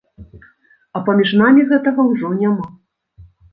А паміж намі гэтага ўжо няма.